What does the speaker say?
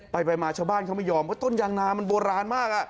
ไปมาชาวบ้านเขาไม่ยอมเพราะต้นยางนามันโบราณมาก